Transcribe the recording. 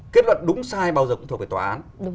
kết luận đúng sai bao giờ cũng thuộc về tòa án